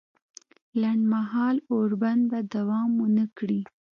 لنډ مهاله اوربند به دوام ونه کړي